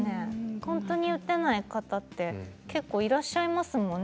本当に打てない方って結構いらっしゃいますもんね